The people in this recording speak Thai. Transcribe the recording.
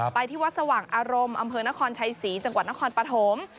ไปที่วัดสว่างอารมณ์อำเภอนครชัยศรีจังหวัดนครปฐม